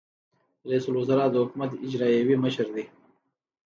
رئیس الوزرا د حکومت اجرائیوي مشر دی